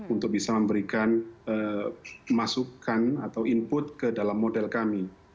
untuk bisa memberikan masukan atau input ke dalam model kami